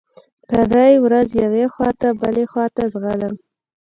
کرۍ ورځ يوې خوا ته بلې خوا ته ځلم.